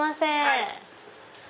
はい。